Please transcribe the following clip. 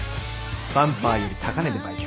バンパーより高値で売却。